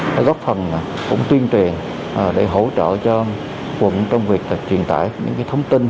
đã góp phần cũng tuyên truyền để hỗ trợ cho quận trong việc truyền tải những thông tin